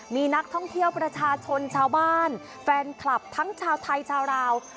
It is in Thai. มีนักท่องเที่ยวประชาชนชาวบ้านแฟนคลับทั้งชาวไทยชาวราว